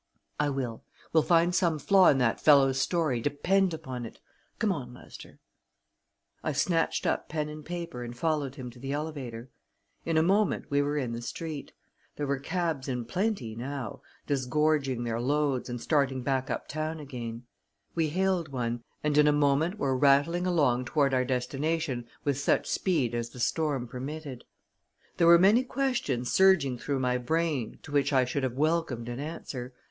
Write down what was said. "I will; we'll find some flaw in that fellow's story, depend upon it. Come on, Lester." I snatched up pen and paper and followed him to the elevator. In a moment we were in the street; there were cabs in plenty now, disgorging their loads and starting back uptown again; we hailed one, and in another moment were rattling along toward our destination with such speed as the storm permitted. There were many questions surging through my brain to which I should have welcomed an answer.